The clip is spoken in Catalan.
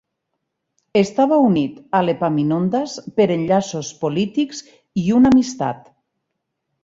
Estava unit a l"Epaminondas per enllaços polítics i una amistat.